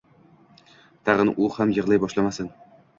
Tag`in u ham yig`lay boshlamasin